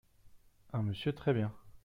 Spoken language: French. Un monsieur très bien.